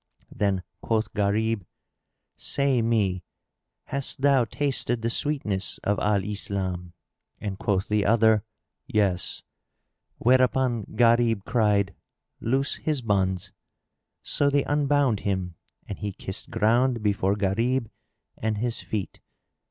Then quoth Gharib, "Say me, hast thou tasted the sweetness of Al Islam?"; and quoth the other, "Yes;" whereupon Gharib cried, "Loose his bonds!" So they unbound him and he kissed ground before Gharib and his feet.